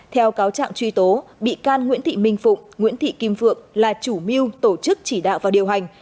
theo cáo trạng truy tố bị can nguyễn thị minh phụng nguyễn thị kim phượng là chủ mưu tổ chức chỉ đạo và điều hành